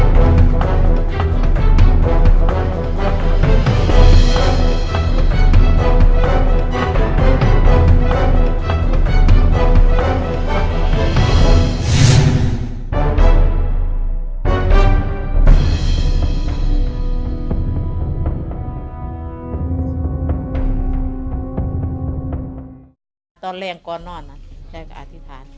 ตอนแรกก่อนนอนนะได้กับอธิพันธ์